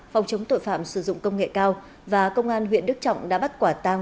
phòng chống tội phạm sử dụng công nghệ cao và công an huyện đức trọng đã bắt quả tang